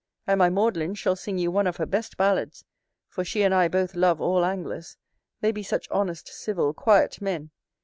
And my Maudlin shall sing you one of her best ballads; for she and I both love all anglers, they be such honest, civil, quiet men.